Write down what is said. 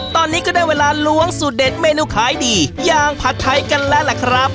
ตอนนี้ก็ได้เวลาล้วงสูตรเด็ดเมนูขายดีอย่างผัดไทยกันแล้วล่ะครับ